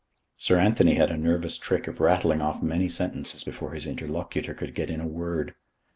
Sir Anthony had a nervous trick of rattling off many sentences before his interlocutor could get in a word.